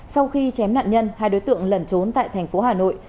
sau khi chém nạn nhân hai đối tượng lẩn trốn tại thành phố hà nội